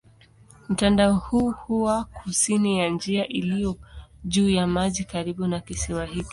Mtandao huu huwa kusini ya njia iliyo juu ya maji karibu na kisiwa hiki.